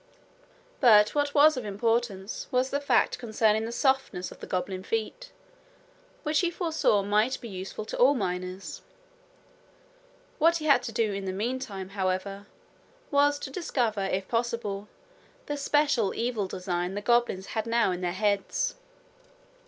But what was of importance was the fact concerning the softness of the goblin feet, which he foresaw might be useful to all miners. What he had to do in the meantime, however, was to discover, if possible, the special evil design the goblins had now in their heads.